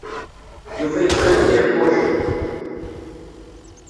Yuba yettban-d iɛewwel.